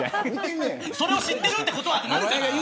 それを知ってるってことはってなるから。